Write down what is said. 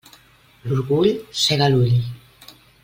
L'orgull cega l'ull.